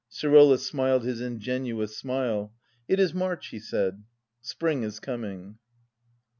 Sirola smiled his ingenuous smile. "It is March," he said, "Spring is coming."